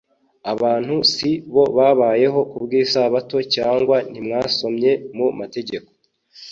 abantu si bo babayeho kubw'isabato" cyangwa ntimwasomye mu mategeko